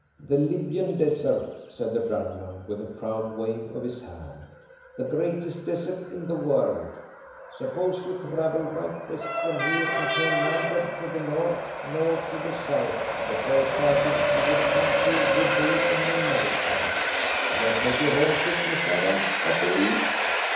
"The Libyan Desert," said the dragoman, with a proud wave of his hand. "The greatest desert in the world. Suppose you travel right west from here, and turn neither to the north nor to the south, the first houses you would come to would be in America. That make you home sick, Miss Adams, I believe?"